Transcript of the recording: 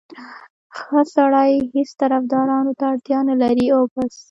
ښه سړی هېڅ طفدارانو ته اړتیا نه لري او بس.